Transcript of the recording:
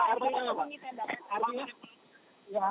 jadi ini berarti berapa sejati